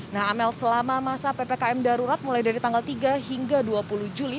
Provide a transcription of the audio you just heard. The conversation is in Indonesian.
nah amel selama masa ppkm darurat mulai dari tanggal tiga hingga dua puluh juli